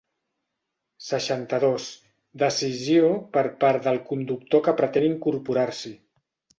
Seixanta-dos decisió per part del conductor que pretén incorporar-s'hi.